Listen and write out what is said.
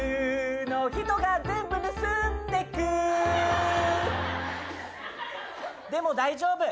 「人が全部盗んでく」でも大丈夫。